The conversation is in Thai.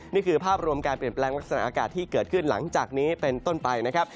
นี่คือภาพรวมการเปลี่ยนแปลงลักษณะอากาศที่เกิดขึ้นหลังจากนี้เป็นต้นไปนะครับ